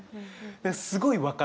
すごい分かる。